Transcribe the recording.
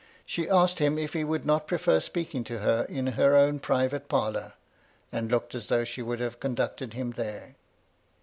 She asked him if he would not prefer speaking to her in her own private parlour, and looked as though she would have conducted him there.